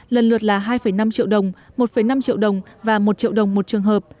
lần lượt là hai năm triệu đồng một năm triệu đồng và một triệu đồng một trường hợp